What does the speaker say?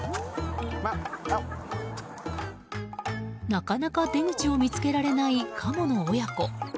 なかなか出口を見つけられないカモの親子。